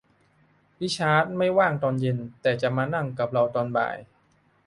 ริชาร์ดไม่ว่างตอนเย็น แต่จะมานั่งกับเราตอนบ่าย